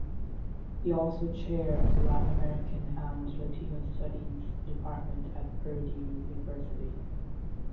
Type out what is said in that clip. He also chair of the Latin American and Latino studies department at Purdue University.